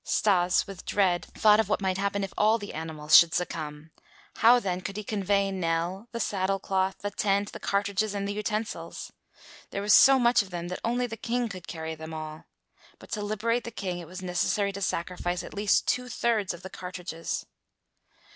Stas, with dread, thought of what might happen if all the animals should succumb; how then could he convey Nell, the saddle cloth, the tent, the cartridges and the utensils? There was so much of them that only the King could carry them all. But to liberate the King it was necessary to sacrifice at least two thirds of the cartridges.